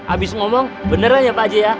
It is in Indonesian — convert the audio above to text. abis ngomong bener aja pak haji ya